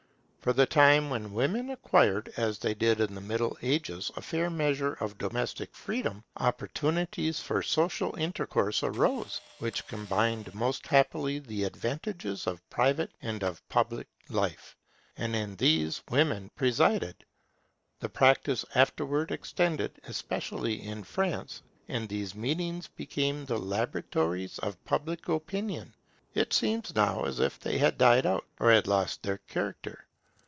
From the time when women acquired, as they did in the Middle Ages, a fair measure of domestic freedom, opportunities for social intercourse arose, which combined most happily the advantages of private and of public life, and in these women presided. The practice afterwards extended, especially in France, and these meetings became the laboratories of public opinion. It seems now as if they had died out, or had lost their character.